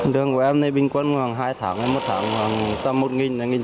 đường của em này bình quân khoảng hai tháng một tháng khoảng tám mươi một nghìn một nghìn bốn